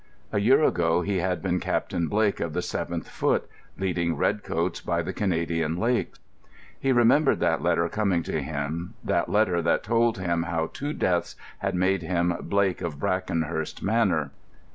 A year ago he had been Captain Blake, of the 7th Foot, leading redcoats by the Canadian lakes. He remembered that letter coming to him, that letter that told him how two deaths had made him Blake of Brackenhurst Manor.